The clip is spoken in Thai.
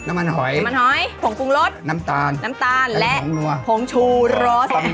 น้ำมันหอยผงกรุงรสน้ำตาลและผงชูรส